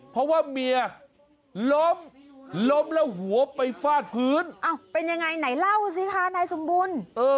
เพราะว่าเมียล้มล้มแล้วหัวไปฟาดพื้นเป็นยังไงไหนเล่าสิคะนายสมบูรณ์